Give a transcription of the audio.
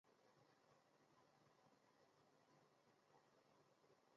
广南国及郑阮纷争期间的四个政体的其中之一。